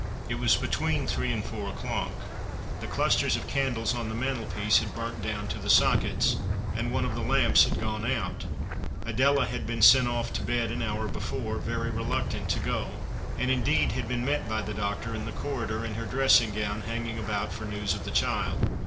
It was between three and fonr o'clock. The clusters of candles on the mantelpiece had Lurnt down to the sockets, and one of the lamps had gone out. Adela had been sent off to bed an hour before, very reluctant to go, and indeed had been met by the doctor in the corridor, in her dressing gown, hanging about for news of the child.